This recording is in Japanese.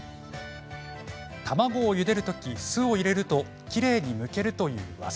卵をゆでるとき、酢を入れるときれいにむけるという技。